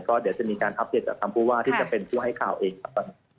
ก็เดี๋ยวจะมีการให้วัปเสียงกับคำผู้ว่าที่จะเป็นผู้ให้ข่าวเองครับ